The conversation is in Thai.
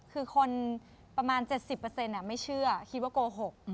คือคนประมาณ๗๐ไม่เชื่อคิดว่าโกหก